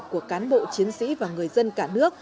của cán bộ chiến sĩ và người dân cả nước